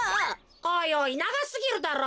おいおいながすぎるだろ。